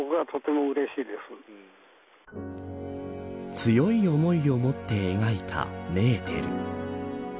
強い思いを持って描いたメーテル。